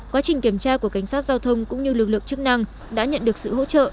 quá trình kiểm tra của cảnh sát giao thông cũng như lực lượng chức năng đã nhận được sự hỗ trợ